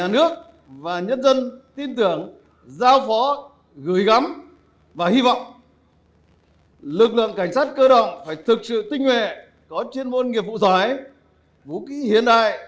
lực lượng cảnh sát cơ động phải thực sự tinh nguệ có chuyên môn nghiệp vụ giải vũ khí hiện đại